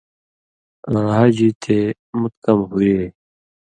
آں حج یی تے مُت کم ہویے۔